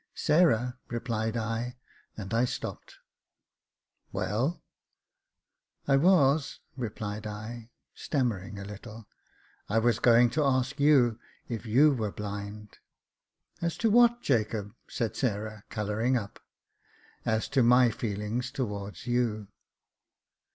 " Sarah," replied I, and I stopped. " Well ?"" I was," replied I, stammering a little —" I was going to ask you if you were blind." *' As to what, Jacob ?" said Sarah, colouring up. " As to my feelings towards you."